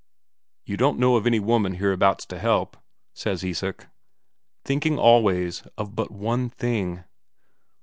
"You don't know of any woman hereabouts to help?" says Isak, thinking always of but one thing.